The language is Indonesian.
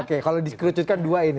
oke kalau dikerucutkan dua ini